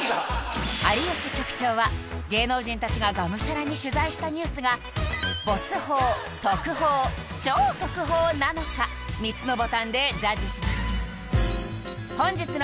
有吉局長は芸能人たちがガムシャラに取材したニュースがボツ報特報超特報なのか３つのボタンでジャッジします